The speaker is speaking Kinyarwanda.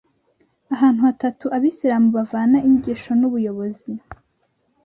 ahantu hatatu abisilamu bavana inyigisho n’ubuyobozi